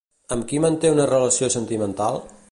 Amb qui manté una relació sentimental?